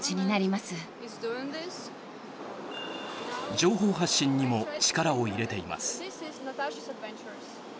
情報発信にも力を入れています。